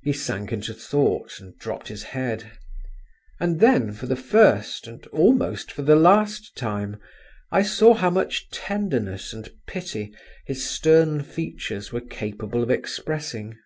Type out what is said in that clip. He sank into thought, and dropped his head … and then, for the first, and almost for the last time, I saw how much tenderness and pity his stern features were capable of expressing.